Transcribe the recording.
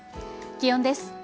気温です。